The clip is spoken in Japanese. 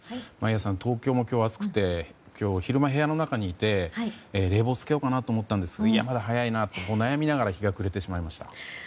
眞家さん、東京も今日暑くて昼間、部屋の中にいて冷房をつけようと思ったんですがいや、まだ早いなと思って悩みながら日が暮れてしまいました。